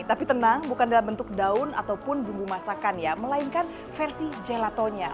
tapi tenang bukan dalam bentuk daun ataupun bumbu masakan ya melainkan versi gelatonya